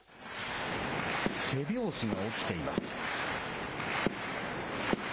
手拍子が起きています。